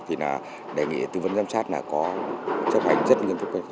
thì đề nghị tư vấn giám sát có chấp hành rất nghiêm trúc